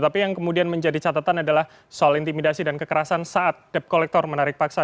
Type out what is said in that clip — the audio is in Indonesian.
tapi yang kemudian menjadi catatan adalah soal intimidasi dan kekerasan saat debt collector menarik paksa